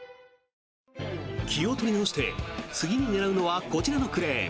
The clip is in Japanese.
気を取り直して次に狙うのはこちらのクレーン。